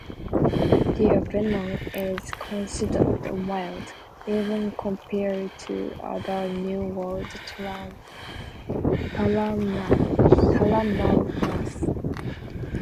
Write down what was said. Their venom is considered mild, even compared to other new-world tarantulas.